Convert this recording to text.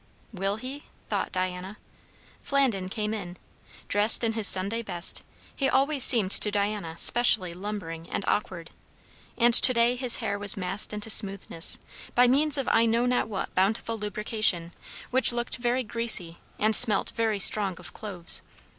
Will he? thought Diana. Flandin came in. Dressed in his Sunday best he always seemed to Diana specially lumbering and awkward; and to day his hair was massed into smoothness by means of I know not what bountiful lubrication, which looked very greasy and smelt very strong of cloves.